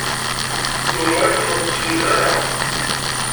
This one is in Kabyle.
Tumert ur tettnuzu ara.